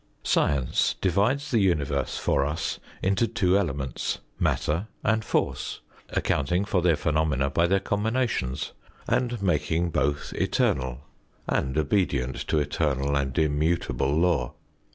Science divides the universe for us into two elements matter and force; accounting for their phenomena by their combinations, and making both eternal and obedient to eternal and immutable law.